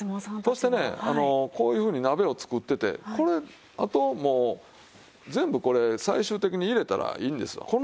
そしてねこういうふうに鍋を作っててこれあともう全部これ最終的に入れたらいいんですわ。